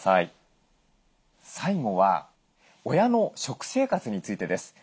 最後は親の食生活についてです。